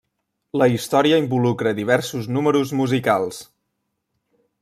La història involucra diversos números musicals.